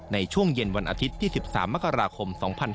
ในช่วงเย็นวันอาทิตย์ที่๑๓มกราคม๒๕๕๙